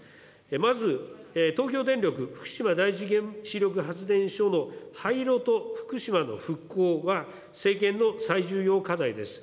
まず、東京電力福島第一原子力発電所の廃炉と福島の復興は政権の最重要課題です。